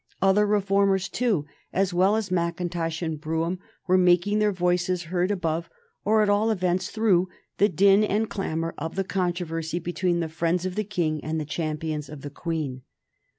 Other reformers, too, as well as Mackintosh and Brougham, were making their voices heard above, or at all events through, the din and clamor of the controversy between the friends of the King and the champions of the Queen.